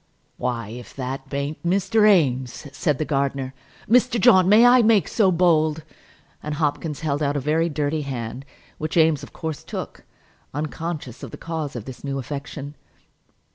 "Why, if that b'aint Mr. Eames!" said the gardener. "Mr. John, may I make so bold!" and Hopkins held out a very dirty hand, which Eames of course took, unconscious of the cause of this new affection.